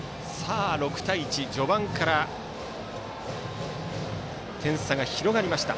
６対１、序盤から点差が広がりました。